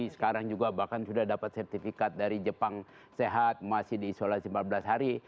sekarang juga bahkan sudah dapat sertifikat dari jepang sehat masih diisolasi empat belas hari